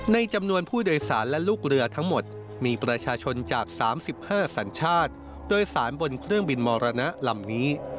ในจำนวนผู้โดยสารและลูกเรือทั้งหมดมีประชาชนจาก๓๕สัญชาติโดยสารบนเครื่องบินมรณะลำนี้